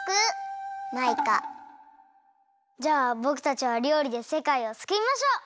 じゃあぼくたちはりょうりでせかいをすくいましょう！